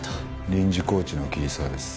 臨時コーチの桐沢です。